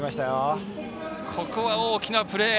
ここは大きなプレー。